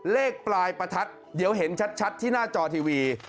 เลขปลายประทัดเดี๋ยวเห็นชัดที่หน้าจอทีวี